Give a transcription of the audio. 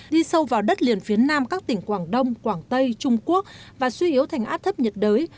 đi sâu vào đất liền phía nam các tỉnh quảng đông quảng tây trung quốc và suy yếu thành áp thấp nhiệt đới